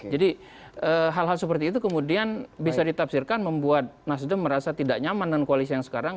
jadi hal hal seperti itu kemudian bisa ditafsirkan membuat nasdem merasa tidak nyaman dengan koalisi yang sekarang